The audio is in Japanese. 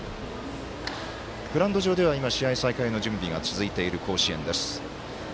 グラウンド上では試合再開の準備が続いている甲子園です。